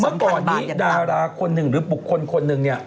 เมื่อก่อนนี้ดาราคนหนึ่งหรือบุคคลคนหนึ่งเนี่ย